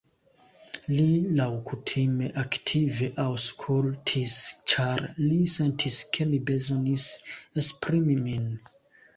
Li, laŭkutime, aktive aŭskultis, ĉar li sentis ke mi bezonis esprimi min.